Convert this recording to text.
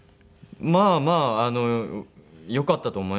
まあまあ良かったと思います。